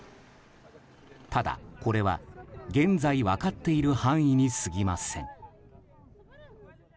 ただ、これは現在分かっている範囲に過ぎません。